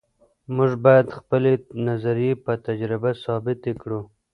موږ باید خپلې نظریې په تجربه ثابتې کړو.